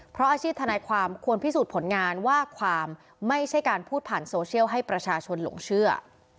เพราะอาชีพทนายความควรพิสูจน์ผลงานว่าความไม่ใช่การพูดผ่านโซเชียลให้ประชาชนหลงเชื่อ